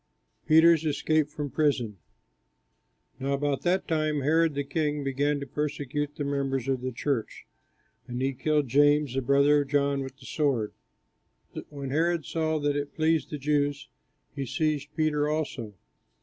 PETER'S ESCAPE FROM PRISON Now about that time Herod, the king, began to persecute the members of the church; and he killed James, the brother of John, with the sword. When Herod saw that it pleased the Jews, he seized Peter also.